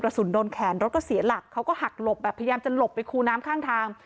โดนแขนรถก็เสียหลักเขาก็หักหลบแบบพยายามจะหลบไปคูน้ำข้างทาง